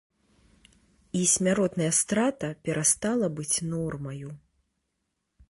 І смяротная страта перастала быць нормаю.